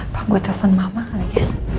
pak gue telepon mama kali ya